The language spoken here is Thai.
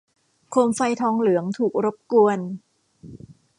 โคมไฟทองเหลืองถูกรบกวน